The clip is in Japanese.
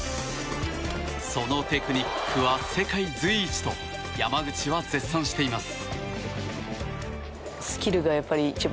そのテクニックは世界随一と山口は絶賛しています。